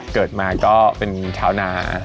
เกิดมาก็เป็นชาวนา